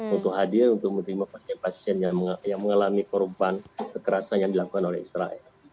untuk hadir untuk menerima pasien pasien yang mengalami korban kekerasan yang dilakukan oleh israel